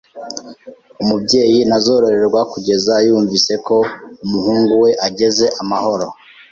Umubyeyi ntazoroherwa kugeza yumvise ko umuhungu we ageze amahoro.